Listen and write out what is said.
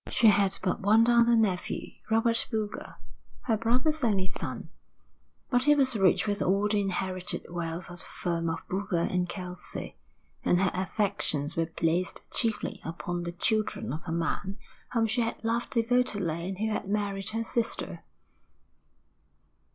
She had but one other nephew, Robert Boulger, her brother's only son, but he was rich with all the inherited wealth of the firm of Boulger & Kelsey; and her affections were placed chiefly upon the children of the man whom she had loved devotedly and who had married her sister.